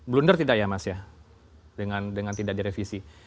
blunder tidak ya mas ya dengan tidak direvisi